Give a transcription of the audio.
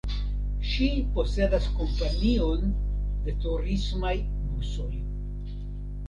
Ŝi posedas kompanion de turismaj busoj.